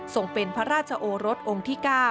ส่งเป็นพระราชโอรสองค์ที่๙